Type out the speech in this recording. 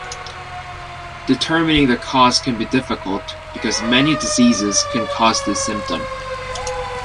Determining the cause can be difficult, because many diseases can cause this symptom.